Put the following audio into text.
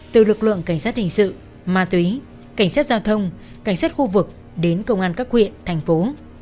từ lực lượng cảnh sát hình sự ma túy cảnh sát giao thông cảnh sát khu vực đến công an các huyện thành phố